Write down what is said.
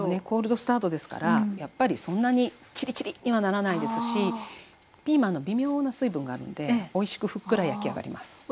コールドスタートですからやっぱりそんなにちりちりにはならないですしピーマンの微妙な水分があるのでおいしくふっくら焼き上がります。